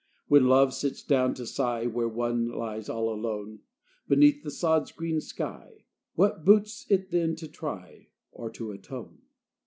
When love sits down to sigh, Where one lies all alone Beneath the sod's green sky What boots it then to try, Or to atone?